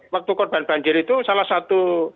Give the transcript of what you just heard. waktu korban banjir itu salah satu